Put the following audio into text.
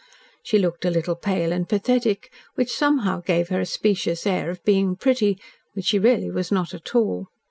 She looked a little pale and pathetic, which somehow gave her a specious air of being pretty, which she really was not at all.